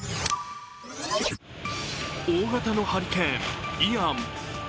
大型のハリケーン、イアン。